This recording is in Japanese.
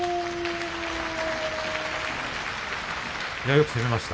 よく攻めました。